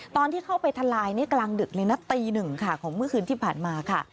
ตอนที่เข้าไปทลายนี่กลางดึกเลยนะตีหนึ่งค่ะของเมื่อคืนที่ผ่านมาค่ะ